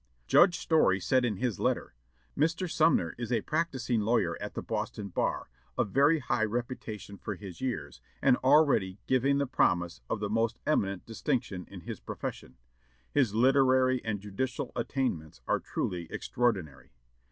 Judge Story said in his letter, "Mr. Sumner is a practising lawyer at the Boston bar, of very high reputation for his years, and already giving the promise of the most eminent distinction in his profession; his literary and judicial attainments are truly extraordinary.